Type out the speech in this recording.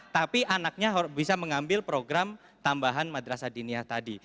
tapi anaknya bisa mengambil program tambahan madrasah dinia tadi